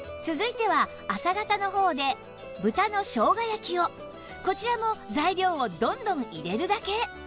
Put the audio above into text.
続いてはこちらも材料をどんどん入れるだけ！